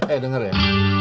eh denger ya